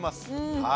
はい。